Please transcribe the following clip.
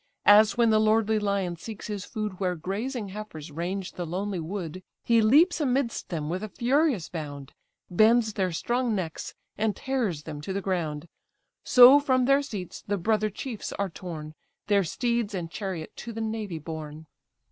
As when the lordly lion seeks his food Where grazing heifers range the lonely wood, He leaps amidst them with a furious bound, Bends their strong necks, and tears them to the ground: So from their seats the brother chiefs are torn, Their steeds and chariot to the navy borne.